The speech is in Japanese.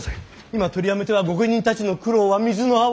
今取りやめては御家人たちの苦労は水の泡。